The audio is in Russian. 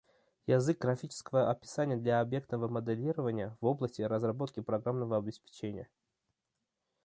Язык графического описания для объектного моделирования в области разработки программного обеспечения